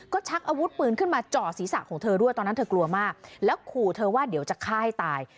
ก็ชักอาวุธปืนขึ้นมาเจาะศีรษะของเธอด้วยตอนนั้นเธอกลัวมากแล้วขู่เธอว่าเดี๋ยวจะฆ่าให้ตาย